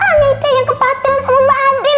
aneh deh yang kepatiran sama mba adin